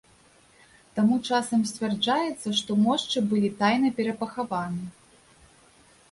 Таму часам сцвярджаецца, што мошчы былі тайна перапахаваны.